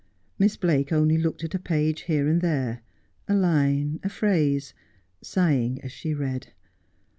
Miss Blake only looked at a page here and there, a line, a phrase, sighing as she read.